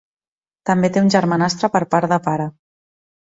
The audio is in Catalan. També té un germanastre per part de pare.